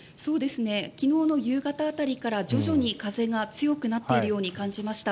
昨日の夕方辺りから徐々に風が強くなっているように感じました。